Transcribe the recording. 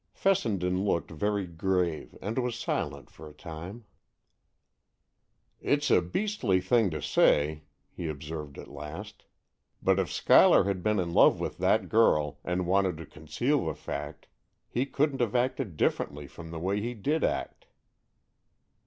Fessenden looked very grave and was silent for a time. "It's a beastly thing to say," he observed at last, "but if Schuyler had been in love with that girl, and wanted to conceal the fact, he couldn't have acted differently from the way he did act."